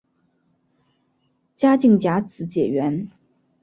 嘉靖甲子解元。